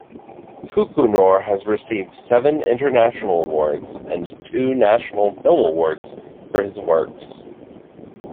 Kukunoor has received seven International Awards, and two National Film Awards for his works.